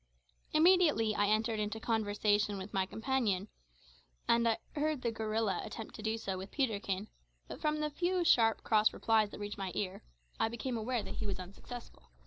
Immediately I entered into conversation with my companion, and I heard "the gorilla" attempt to do so with Peterkin; but from the few sharp cross replies that reached my ear, I became aware that he was unsuccessful.